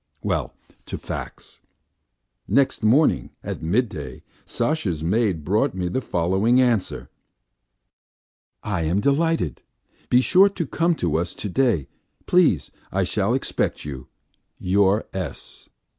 Well, to facts. ... Next morning at midday, Sasha's maid brought me the following answer: "I am delited be sure to come to us to day please I shall expect you. Your S."